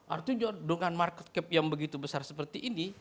artinya dengan market cap yang begitu besar seperti ini